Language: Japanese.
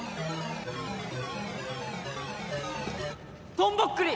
トンボックリ！